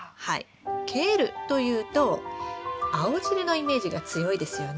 ケールというと青汁のイメージが強いですよね。